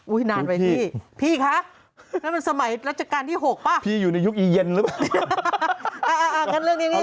นานไปพี่พี่คะแล้วมันสมัยรัชกาลที่๖ป่ะพี่อยู่ในยุคอีเย็นหรือเปล่าเนี่ย